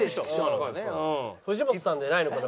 「藤本さん」でないのかな？